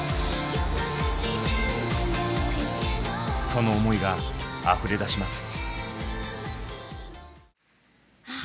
その思いがあふれ出します。